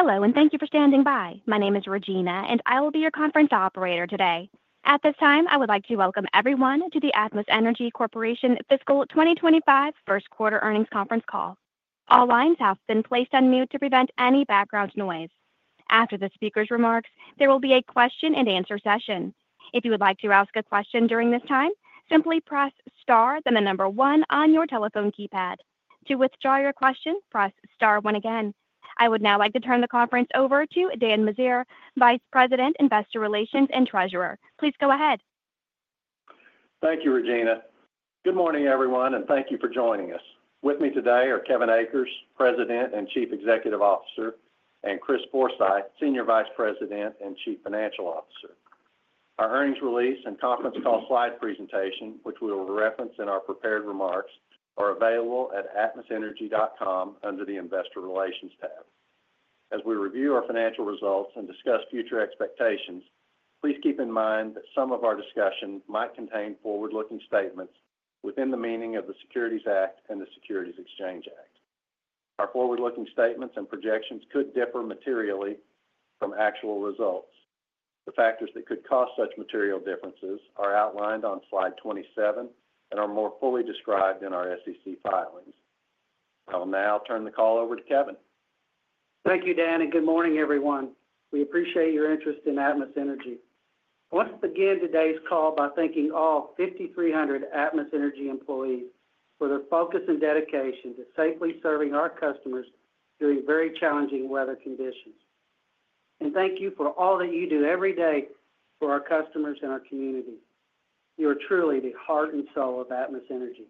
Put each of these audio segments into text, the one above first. Hello, and thank you for standing by. My name is Regina, and I will be your conference operator today. At this time, I would like to welcome everyone to the Atmos Energy Corporation Fiscal 2025 First Quarter Earnings Conference Call. All lines have been placed on mute to prevent any background noise. After the speaker's remarks, there will be a question-and-answer session. If you would like to ask a question during this time, simply press star, then the number one on your telephone keypad. To withdraw your question, press star one again. I would now like to turn the conference over to Dan Meziere, Vice President, Investor Relations and Treasurer. Please go ahead. Thank you, Regina. Good morning, everyone, and thank you for joining us. With me today are Kevin Akers, President and Chief Executive Officer, and Chris Forsythe, Senior Vice President and Chief Financial Officer. Our earnings release and conference call slide presentation, which we will reference in our prepared remarks, are available at atmosenergy.com under the Investor Relations tab. As we review our financial results and discuss future expectations, please keep in mind that some of our discussion might contain forward-looking statements within the meaning of the Securities Act and the Securities Exchange Act. Our forward-looking statements and projections could differ materially from actual results. The factors that could cause such material differences are outlined on slide 27 and are more fully described in our SEC filings. I will now turn the call over to Kevin. Thank you, Dan, and good morning, everyone. We appreciate your interest in Atmos Energy. I want to begin today's call by thanking all 5,300 Atmos Energy employees for their focus and dedication to safely serving our customers during very challenging weather conditions. And thank you for all that you do every day for our customers and our community. You are truly the heart and soul of Atmos Energy.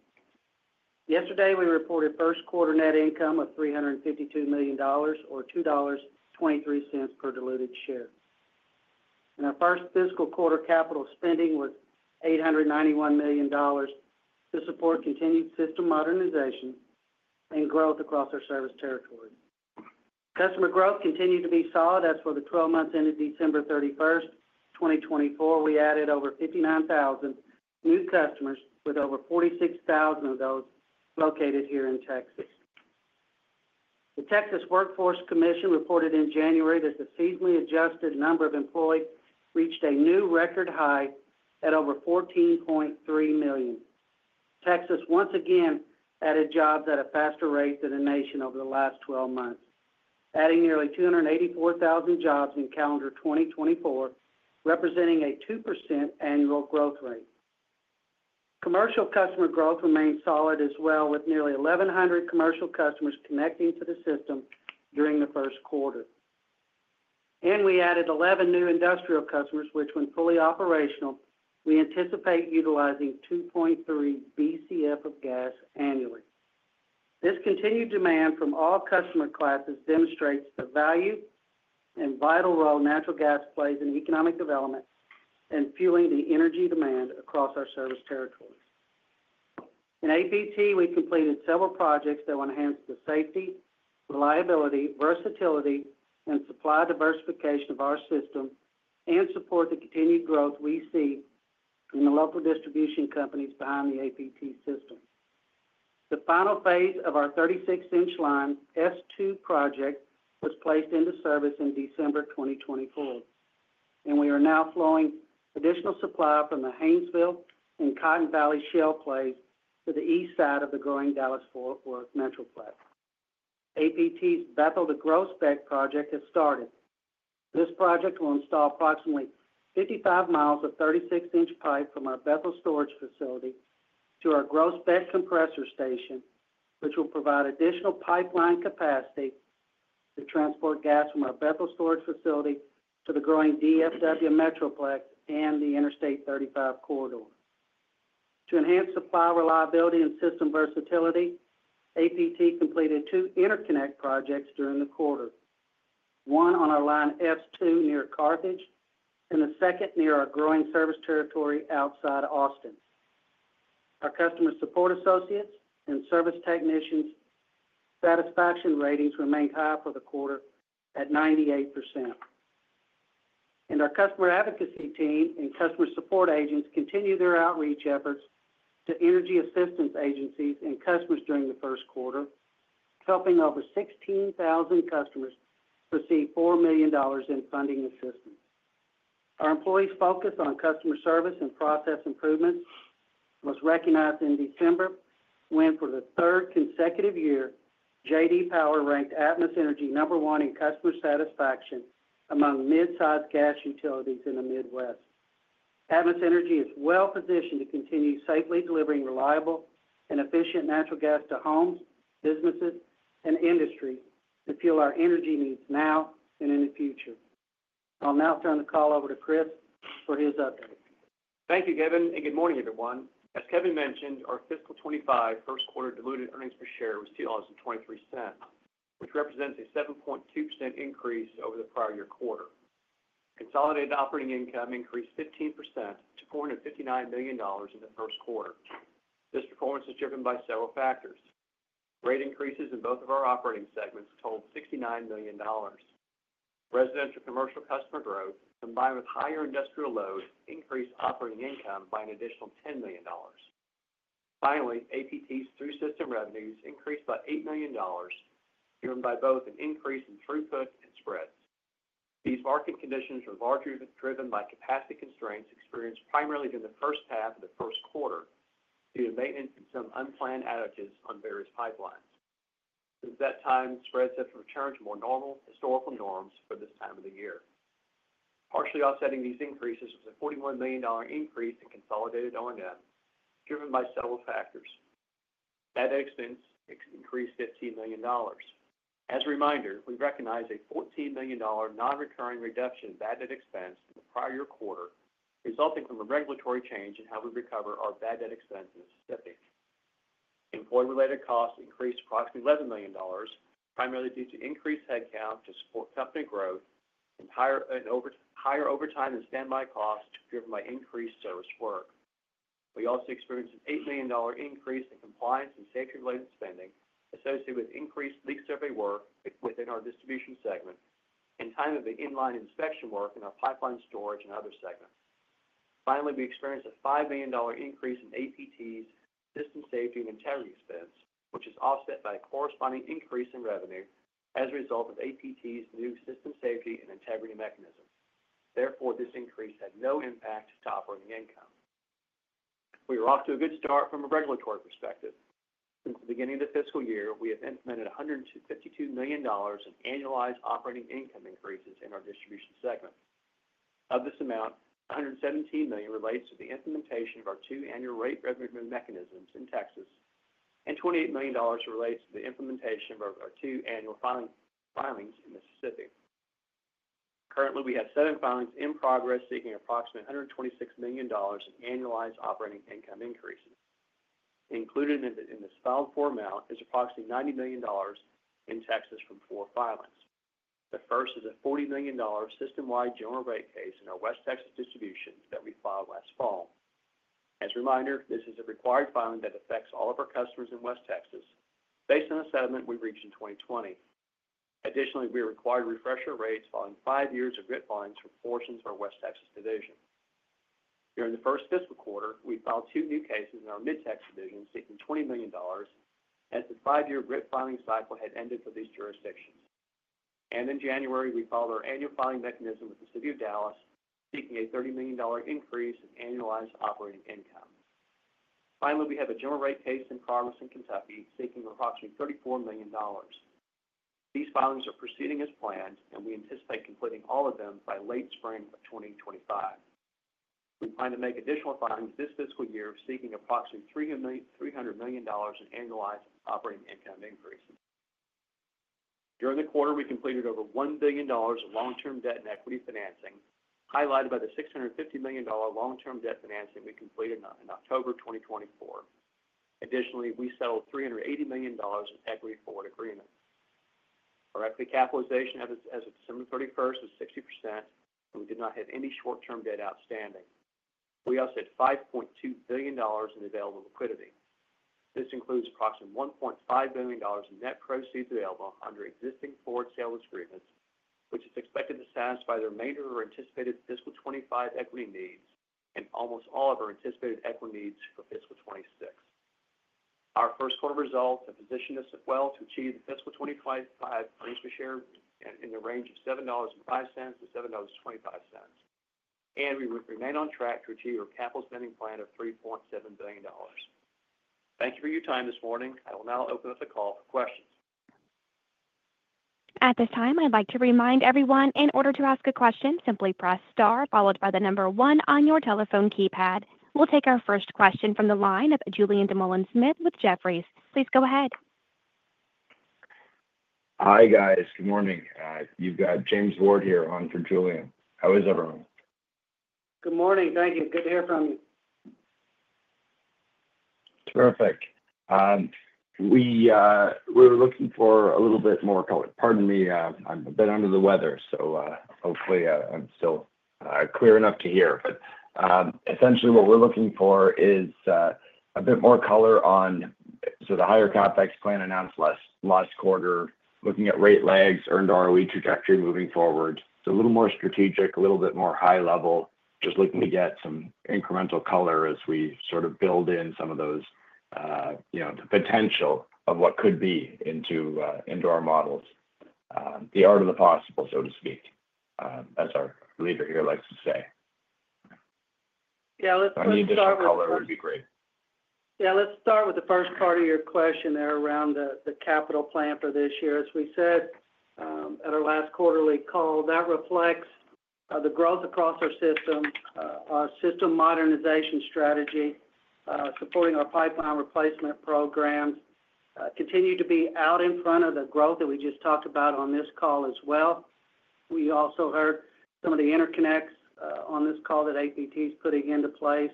Yesterday, we reported first quarter net income of $352 million, or $2.23 per diluted share. And our first fiscal quarter capital spending was $891 million to support continued system modernization and growth across our service territory. Customer growth continued to be solid as for the 12 months ended December 31st, 2024. We added over 59,000 new customers, with over 46,000 of those located here in Texas. The Texas Workforce Commission reported in January that the seasonally adjusted number of employees reached a new record high at over $14.3 million. Texas once again added jobs at a faster rate than the nation over the last 12 months, adding nearly 284,000 jobs in calendar 2024, representing a 2% annual growth rate. Commercial customer growth remained solid as well, with nearly 1,100 commercial customers connecting to the system during the first quarter. We added 11 new industrial customers, which, when fully operational, we anticipate utilizing 2.3 BCF of gas annually. This continued demand from all customer classes demonstrates the value and vital role natural gas plays in economic development and fueling the energy demand across our service territory. In APT, we completed several projects that will enhance the safety, reliability, versatility, and supply diversification of our system and support the continued growth we see in the local distribution companies behind the APT system. The final phase of our 36-inch Line S2 project was placed into service in December 2024, and we are now flowing additional supply from the Haynesville and Cotton Valley shale plays to the east side of the growing Dallas-Fort Worth Metroplex. APT's Bethel to Groesbeck project has started. This project will install approximately 55 miles of 36-inch pipe from our Bethel storage facility to our Groesbeck compressor station, which will provide additional pipeline capacity to transport gas from our Bethel storage facility to the growing DFW Metroplex and the Interstate 35 corridor. To enhance supply reliability and system versatility, APT completed two interconnect projects during the quarter: one on our Line S2 near Carthage and the second near our growing service territory outside Austin. Our customer support associates and service technicians' satisfaction ratings remained high for the quarter at 98%, and our customer advocacy team and customer support agents continue their outreach efforts to energy assistance agencies and customers during the first quarter, helping over 16,000 customers receive $4 million in funding assistance. Our employees' focus on customer service and process improvements was recognized in December when, for the third consecutive year, J.D. Power ranked Atmos Energy number one in customer satisfaction among mid-size gas utilities in the Midwest. Atmos Energy is well positioned to continue safely delivering reliable and efficient natural gas to homes, businesses, and industry to fuel our energy needs now and in the future. I'll now turn the call over to Chris for his update. Thank you, Kevin, and good morning, everyone. As Kevin mentioned, our Fiscal 2025 first quarter diluted earnings per share was $2.23, which represents a 7.2% increase over the prior year quarter. Consolidated operating income increased 15% to $459 million in the first quarter. This performance is driven by several factors. Rate increases in both of our operating segments totaled $69 million. Residential commercial customer growth, combined with higher industrial load, increased operating income by an additional $10 million. Finally, APT's through system revenues increased by $8 million, driven by both an increase in throughput and spreads. These market conditions were largely driven by capacity constraints experienced primarily during the first half of the first quarter due to maintenance and some unplanned outages on various pipelines. Since that time, spreads have returned to more normal historical norms for this time of the year. Partially offsetting these increases was a $41 million increase in consolidated O&M, driven by several factors. Bad debt expense increased $15 million. As a reminder, we recognize a $14 million non-recurring reduction in bad debt expense in the prior year quarter, resulting from a regulatory change in how we recover our bad debt expenses this year. Employee-related costs increased approximately $11 million, primarily due to increased headcount to support company growth and higher overtime and standby costs driven by increased service work. We also experienced an $8 million increase in compliance and safety-related spending associated with increased leak survey work within our distribution segment and timing of the inline inspection work in our pipeline storage and other segments. Finally, we experienced a $5 million increase in APT's System safety and Integrity expense, which is offset by a corresponding increase in revenue as a result of APT's new System Safety and Integrity mechanism. Therefore, this increase had no impact to operating income. We are off to a good start from a regulatory perspective. Since the beginning of the fiscal year, we have implemented $152 million in annualized operating income increases in our distribution segment. Of this amount, $117 million relates to the implementation of our two annual rate revenue mechanisms in Texas, and $28 million relates to the implementation of our two annual filings in the Mississippi. Currently, we have seven filings in progress seeking approximately $126 million in annualized operating income increases. Included in this filed amount is approximately $90 million in Texas from four filings. The first is a $40 million system-wide general rate case in our West Texas distribution that we filed last fall. As a reminder, this is a required filing that affects all of our customers in West Texas based on a settlement we reached in 2020. Additionally, we are required refresher rates following five years of GRIP filings for portions of our West Texas division. During the first fiscal quarter, we filed two new cases in our Mid-Tex division seeking $20 million as the five-year GRIP filing cycle had ended for these jurisdictions, and in January, we filed our annual filing mechanism with the City of Dallas seeking a $30 million increase in annualized operating income. Finally, we have a general rate case in progress in Kentucky seeking approximately $34 million. These filings are proceeding as planned, and we anticipate completing all of them by late spring of 2025. We plan to make additional filings this fiscal year seeking approximately $300 million in annualized operating income increases. During the quarter, we completed over $1 billion of long-term debt and equity financing, highlighted by the $650 million long-term debt financing we completed in October 2024. Additionally, we settled $380 million in equity forward agreements. Our equity capitalization as of December 31st was 60%, and we did not have any short-term debt outstanding. We also had $5.2 billion in available liquidity. This includes approximately $1.5 billion in net proceeds available under existing forward sales agreements, which is expected to satisfy the remainder of our anticipated fiscal 25 equity needs and almost all of our anticipated equity needs for fiscal 26. Our first quarter results have positioned us well to achieve the Fiscal 2025 earnings per share in the range of $7.05-$7.25, and we remain on track to achieve our capital spending plan of $3.7 billion. Thank you for your time this morning. I will now open up the call for questions. At this time, I'd like to remind everyone, in order to ask a question, simply press star followed by the number one on your telephone keypad. We'll take our first question from the line of Julien Dumoulin-Smith with Jefferies. Please go ahead. Hi, guys. Good morning. You've got James Ward here on for Julien. How is everyone? Good morning. Thank you. Good to hear from you. Terrific. We were looking for a little bit more color. Pardon me, I'm a bit under the weather, so hopefully I'm still clear enough to hear. But essentially, what we're looking for is a bit more color on the higher CapEx plan announced last quarter, looking at rate lags, earned ROE trajectory moving forward. So a little more strategic, a little bit more high level, just looking to get some incremental color as we sort of build in some of the potential of what could be into our models. The art of the possible, so to speak, as our leader here likes to say. Yeah, let's start with the first. If I need to add color, it would be great. Yeah, let's start with the first part of your question there around the capital plan for this year. As we said at our last quarterly call, that reflects the growth across our system, our system modernization strategy, supporting our pipeline replacement programs, continue to be out in front of the growth that we just talked about on this call as well. We also heard some of the interconnects on this call that APT is putting into place,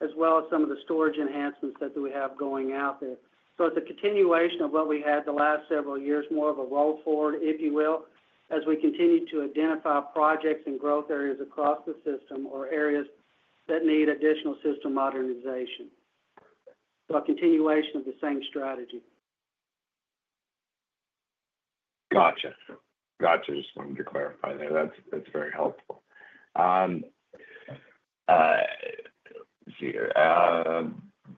as well as some of the storage enhancements that we have going out there, so it's a continuation of what we had the last several years, more of a roll forward, if you will, as we continue to identify projects and growth areas across the system or areas that need additional system modernization, so a continuation of the same strategy. Gotcha. Gotcha. Just wanted to clarify there. That's very helpful. Let's see here.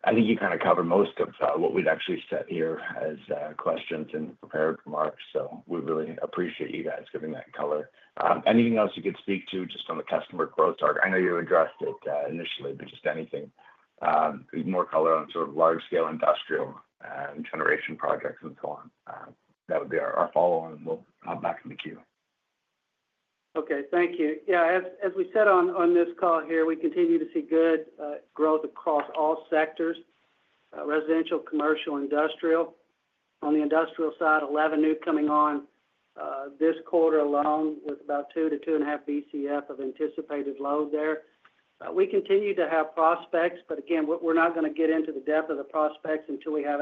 I think you kind of covered most of what we'd actually set here as questions and prepared for Mark, so we really appreciate you guys giving that color. Anything else you could speak to just on the customer growth? I know you addressed it initially, but just anything more color on sort of large-scale industrial generation projects and so on. That would be our follow-on, and we'll hop back in the queue. Okay. Thank you. Yeah, as we said on this call here, we continue to see good growth across all sectors: residential, commercial, industrial. On the industrial side, 11 new coming on this quarter alone with about 2-2.5 BCF of anticipated load there. We continue to have prospects, but again, we're not going to get into the depth of the prospects until we have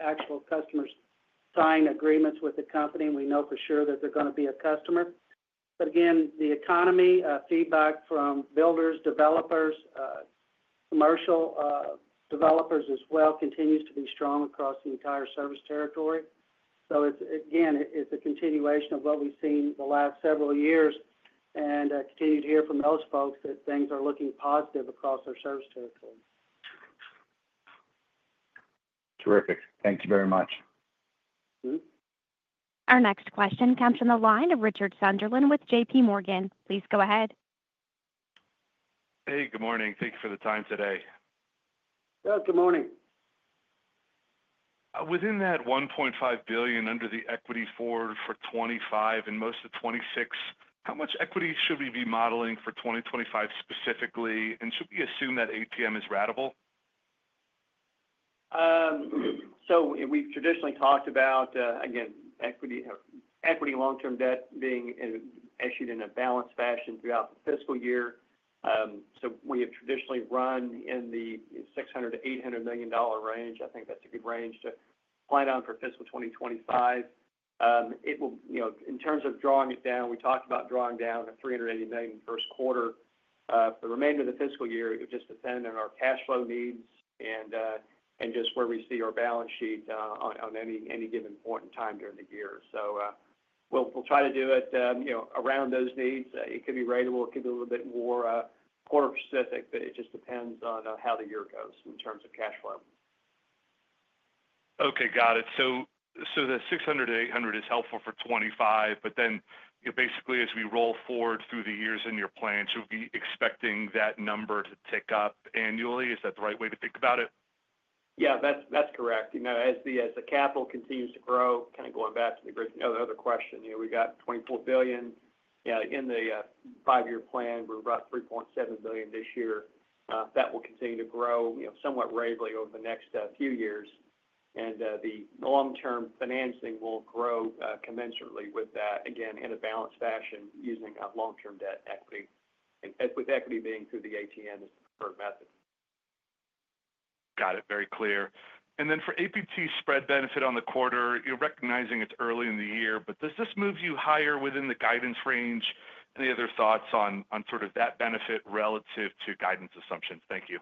actual customers signing agreements with the company. We know for sure that they're going to be a customer. But again, the economic feedback from builders, developers, commercial developers as well continues to be strong across the entire service territory. So again, it's a continuation of what we've seen the last several years and continue to hear from those folks that things are looking positive across our service territory. Terrific. Thank you very much. Our next question comes from the line of Richard Sunderland with JPMorgan. Please go ahead. Hey, good morning. Thank you for the time today. Good morning. Within that $1.5 billion under the equity forward for 2025 and most of 2026, how much equity should we be modeling for 2025 specifically? And should we assume that ATM is ratable? We've traditionally talked about, again, equity long-term debt being issued in a balanced fashion throughout the fiscal year. We have traditionally run in the $600-$800 million range. I think that's a good range to plan on for fiscal 2025. In terms of drawing it down, we talked about drawing down to $380 million in the first quarter. For the remainder of the fiscal year, it would just depend on our cash flow needs and just where we see our balance sheet on any given point in time during the year. We'll try to do it around those needs. It could be ratable. It could be a little bit more quarter-specific, but it just depends on how the year goes in terms of cash flow. Okay. Got it. So the $600-$800 is helpful for 2025, but then basically as we roll forward through the years in your plan, should we be expecting that number to tick up annually? Is that the right way to think about it? Yeah, that's correct. As the capital continues to grow, kind of going back to the other question, we got $24 billion in the five-year plan. We're about $3.7 billion this year. That will continue to grow somewhat rapidly over the next few years. And the long-term financing will grow commensurately with that, again, in a balanced fashion using long-term debt equity, with equity being through the ATM as the preferred method. Got it. Very clear. And then for APT spread benefit on the quarter, recognizing it's early in the year, but does this move you higher within the guidance range? Any other thoughts on sort of that benefit relative to guidance assumptions? Thank you.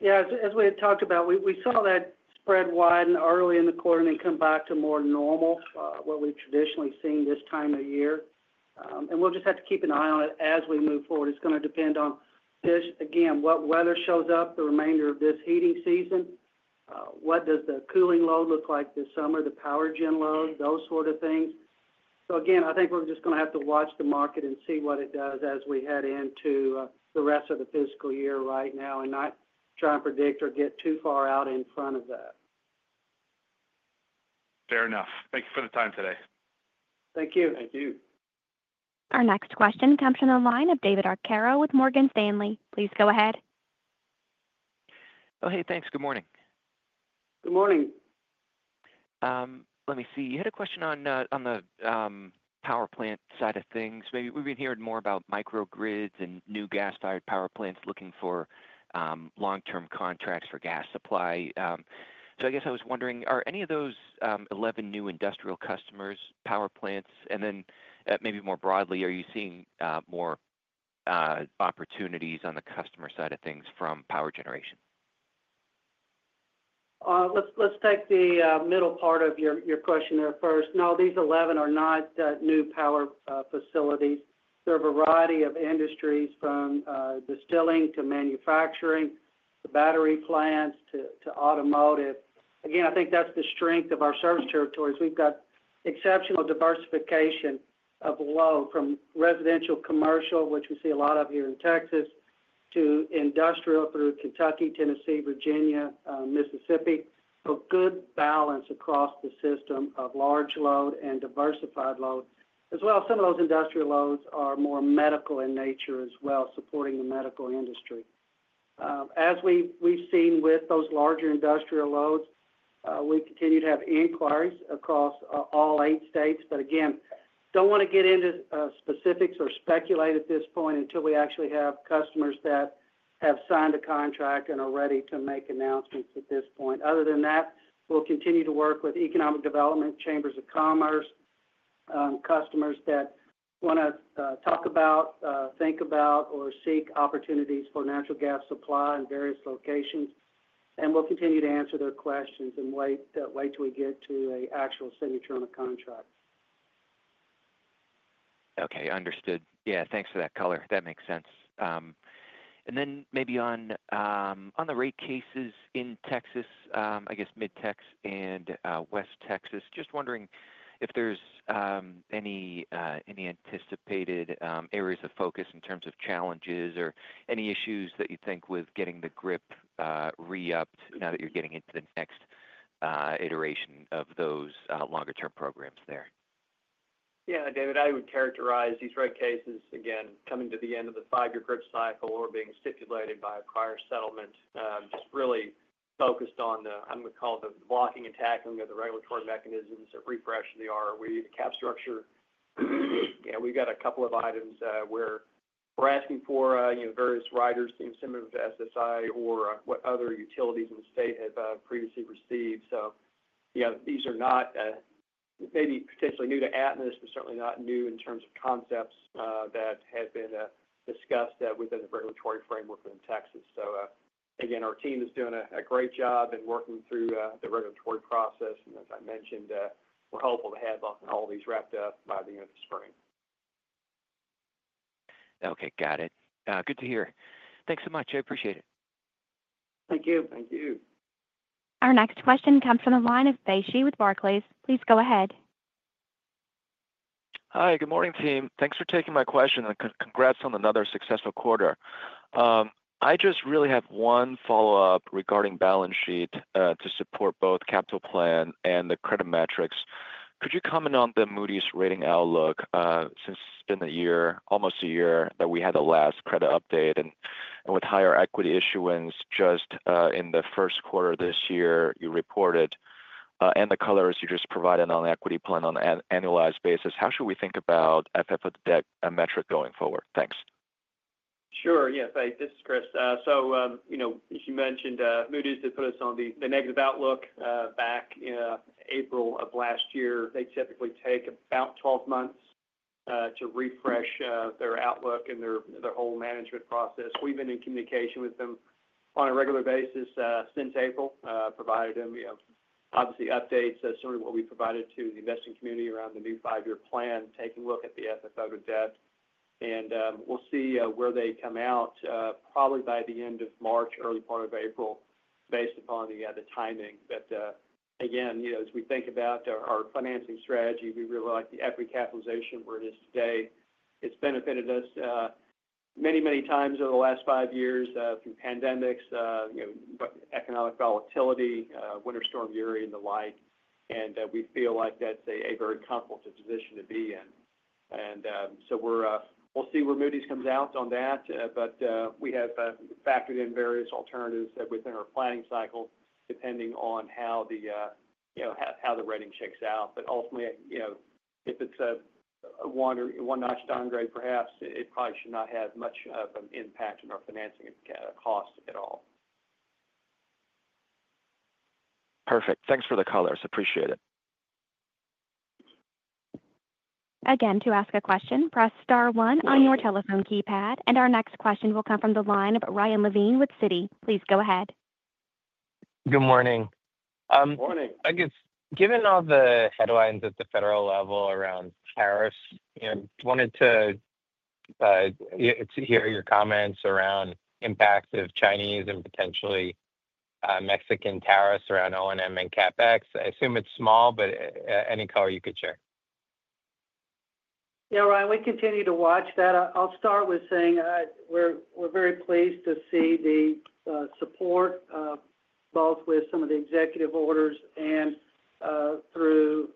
Yeah. As we had talked about, we saw that spread widen early in the quarter and then come back to more normal, what we've traditionally seen this time of year, and we'll just have to keep an eye on it as we move forward. It's going to depend on, again, what weather shows up the remainder of this heating season. What does the cooling load look like this summer, the power gen load, those sort of things? So again, I think we're just going to have to watch the market and see what it does as we head into the rest of the fiscal year right now and not try and predict or get too far out in front of that. Fair enough. Thank you for the time today. Thank you. Thank you. Our next question comes from the line of David Arcaro with Morgan Stanley. Please go ahead. Oh, hey, thanks. Good morning. Good morning. Let me see. You had a question on the power plant side of things. We've been hearing more about microgrids and new gas-fired power plants looking for long-term contracts for gas supply. So I guess I was wondering, are any of those 11 new industrial customers power plants, and then maybe more broadly, are you seeing more opportunities on the customer side of things from power generation? Let's take the middle part of your question there first. No, these 11 are not new power facilities. They're a variety of industries from distilling to manufacturing, to battery plants, to automotive. Again, I think that's the strength of our service territories. We've got exceptional diversification of load from residential, commercial, which we see a lot of here in Texas, to industrial, through Kentucky, Tennessee, Virginia, Mississippi. So good balance across the system of large load and diversified load. As well, some of those industrial loads are more medical in nature as well, supporting the medical industry. As we've seen with those larger industrial loads, we continue to have inquiries across all eight states. But again, don't want to get into specifics or speculate at this point until we actually have customers that have signed a contract and are ready to make announcements at this point. Other than that, we'll continue to work with economic development, chambers of commerce, customers that want to talk about, think about, or seek opportunities for natural gas supply in various locations, and we'll continue to answer their questions and wait till we get to an actual signature on a contract. Okay. Understood. Yeah. Thanks for that color. That makes sense. And then maybe on the rate cases in Texas, I guess Mid-Tex and West Texas, just wondering if there's any anticipated areas of focus in terms of challenges or any issues that you think with getting the GRIP re-upped now that you're getting into the next iteration of those longer-term programs there. Yeah, David, I would characterize these rate cases, again, coming to the end of the five-year GRIP cycle or being stipulated by a prior settlement, just really focused on the. I'm going to call it the blocking and tackling of the regulatory mechanisms that refresh the ROE, the cap structure. Yeah, we've got a couple of items where we're asking for various riders, some of SSI or what other utilities in the state have previously received. So these are not maybe potentially new to Atmos, but certainly not new in terms of concepts that have been discussed within the regulatory framework in Texas. So again, our team is doing a great job in working through the regulatory process, and as I mentioned, we're hopeful to have all these wrapped up by the end of the spring. Okay. Got it. Good to hear. Thanks so much. I appreciate it. Thank you. Thank you. Our next question comes from the line of Bashee with Barclays. Please go ahead. Hi. Good morning, team. Thanks for taking my question and congrats on another successful quarter. I just really have one follow-up regarding balance sheet to support both capital plan and the credit metrics. Could you comment on the Moody's rating outlook since it's been almost a year that we had the last credit update and with higher equity issuance just in the first quarter of this year you reported and the colors you just provided on equity plan on an annualized basis, how should we think about FFO debt metric going forward? Thanks. Sure. Yes, this is Chris. So as you mentioned, Moody's did put us on the negative outlook back in April of last year. They typically take about 12 months to refresh their outlook and their whole management process. We've been in communication with them on a regular basis since April, provided them obviously updates as to what we provided to the investing community around the new five-year plan, taking a look at the FFO debt. And we'll see where they come out probably by the end of March, early part of April, based upon the timing. But again, as we think about our financing strategy, we really like the equity capitalization where it is today. It's benefited us many, many times over the last five years through pandemics, economic volatility, Winter Storm Uri, and the like. And we feel like that's a very comfortable position to be in. And so we'll see where Moody's comes out on that. But we have factored in various alternatives within our planning cycle depending on how the rating shakes out. But ultimately, if it's a one-notch downgrade, perhaps it probably should not have much of an impact on our financing cost at all. Perfect. Thanks for the colors. Appreciate it. Again, to ask a question, press star one on your telephone keypad. And our next question will come from the line of Ryan Levine with Citi. Please go ahead. Good morning. Good morning. I guess given all the headlines at the federal level around tariffs, I wanted to hear your comments around the impact of Chinese and potentially Mexican tariffs around O&M and CapEx. I assume it's small, but any color you could share. Yeah, Ryan, we continue to watch that. I'll start with saying we're very pleased to see the support both with some of the executive orders and through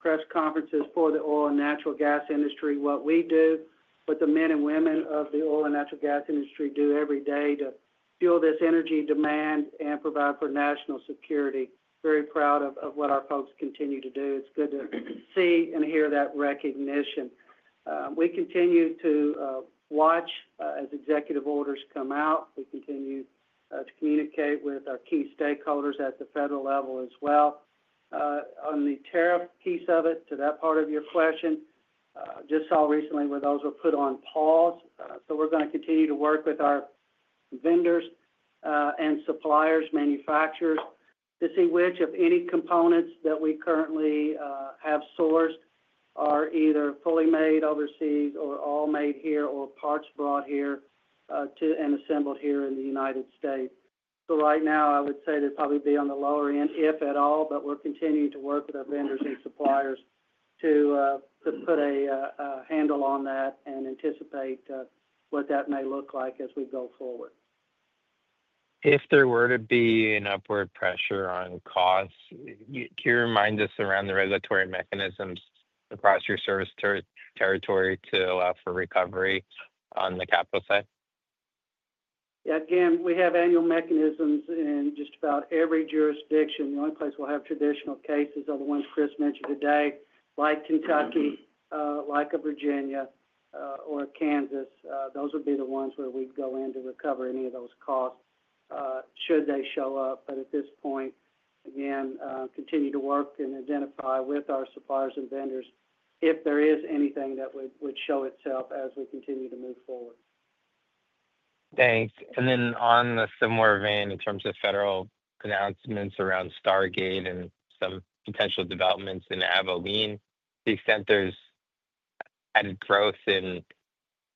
press conferences for the oil and natural gas industry, what we do, what the men and women of the oil and natural gas industry do every day to fuel this energy demand and provide for national security. Very proud of what our folks continue to do. It's good to see and hear that recognition. We continue to watch as executive orders come out. We continue to communicate with our key stakeholders at the federal level as well. On the tariff piece of it, to that part of your question, just saw recently where those were put on pause. We're going to continue to work with our vendors and suppliers, manufacturers, to see which of any components that we currently have sourced are either fully made overseas or all made here or parts brought here and assembled here in the United States. Right now, I would say they'd probably be on the lower end, if at all, but we're continuing to work with our vendors and suppliers to put a handle on that and anticipate what that may look like as we go forward. If there were to be an upward pressure on costs, can you remind us around the regulatory mechanisms across your service territory to allow for recovery on the capital side? Yeah. Again, we have annual mechanisms in just about every jurisdiction. The only place we'll have traditional cases are the ones Chris mentioned today, like Kentucky, like Virginia, or Kansas. Those would be the ones where we'd go in to recover any of those costs should they show up. But at this point, again, continue to work and identify with our suppliers and vendors if there is anything that would show itself as we continue to move forward. Thanks. And then in a similar vein, in terms of federal announcements around Stargate and some potential developments in Abilene, to the extent there's added growth in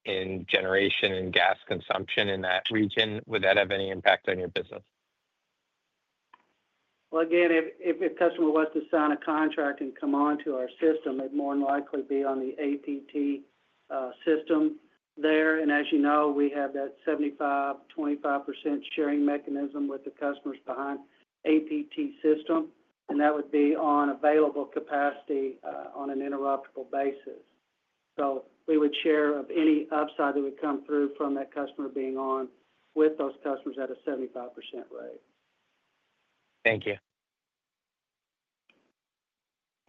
generation and gas consumption in that region, would that have any impact on your business? Again, if a customer was to sign a contract and come on to our system, it'd more than likely be on the APT system there. As you know, we have that 75-25% sharing mechanism with the customers behind APT system. That would be on available capacity on an interruptible basis. We would share in any upside that would come through from that customer being on with those customers at a 75% rate. Thank you.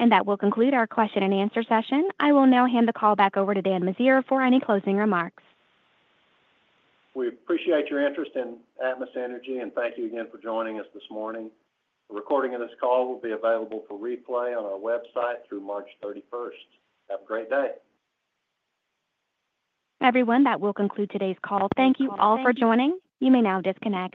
That will conclude our question and answer session. I will now hand the call back over to Dan Meziere for any closing remarks. We appreciate your interest in Atmos Energy and thank you again for joining us this morning. The recording of this call will be available for replay on our website through March 31st. Have a great day. Everyone, that will conclude today's call. Thank you all for joining. You may now disconnect.